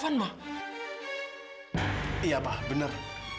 nelejari mujer pun boleh